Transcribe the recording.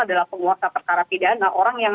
adalah penguasa perkara pidana orang yang